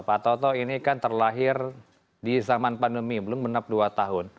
pak toto ini kan terlahir di zaman pandemi belum menap dua tahun